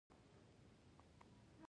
سترې محکمې قانون لغوه کړ.